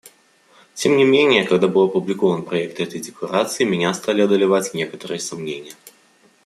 Тем не менее, когда был опубликован проект этой декларации, меня стали одолевать некоторые сомнения.